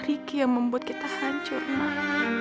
riki yang membuat kita hancur